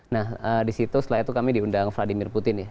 nah disitu setelah itu kami diundang vladimir putin ya